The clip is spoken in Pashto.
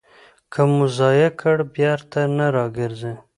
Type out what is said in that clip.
که مو ضایع کړ، بېرته نه راګرځي.